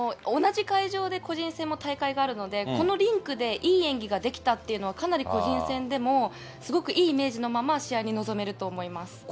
同じ会場で個人戦も大会があるので、このリンクでいい演技ができたというのはかなり個人戦でも、すごくいいイメージのまま、試合に臨めると思います。